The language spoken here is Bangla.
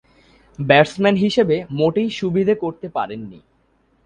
ব্যাটসম্যান হিসেবে মোটেই সুবিধে করতে পারেননি।